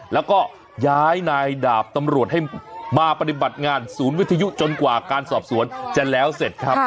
แล้วก็ย้ายนายดาบตำรวจให้มาปฏิบัติงานศูนย์วิทยุจนกว่าการสอบสวนจะแล้วเสร็จครับ